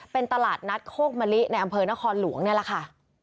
เป็นตลาดนัดโคกมะลิในอำเภอนครหลวงนี่แหละค่ะ